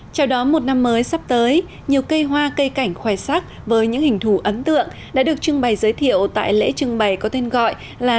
chào đón một năm mới sắp tới nhiều cây hoa cây cảnh khoe sắc với những hình thù ấn tượng đã được trưng bày giới thiệu tại lễ trưng bày có tên gọi là